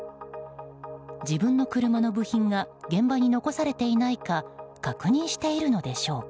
自分の車の部品が現場に残されていないか確認しているのでしょうか。